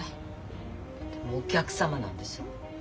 でもお客様なんでしょ？